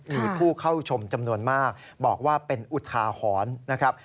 มีผู้เข้าชมจำนวนมากบอกว่าเป็นอุทาหรณ์นะครับ